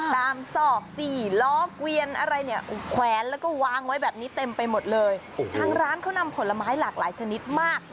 ศอกสี่ล้อเกวียนอะไรเนี่ยแขวนแล้วก็วางไว้แบบนี้เต็มไปหมดเลยทางร้านเขานำผลไม้หลากหลายชนิดมาก